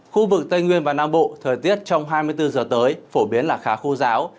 khu vực tây nguyên và nam bộ thời tiết trong hai mươi bốn giờ tới phổ biến là khá khô giáo